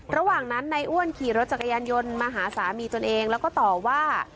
ระหว่างนั้นนายอ้วนขี่รถจักรยานยนต์มาหาสามีตนเองแล้วก็ต่อว่า